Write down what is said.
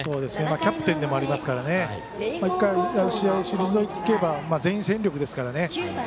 キャプテンでもありますから１回、試合を退ければ全員選手ですからね。